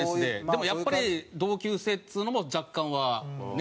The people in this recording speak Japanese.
でもやっぱり同級生っつうのも若干はありますね。